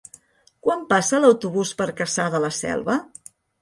Quan passa l'autobús per Cassà de la Selva?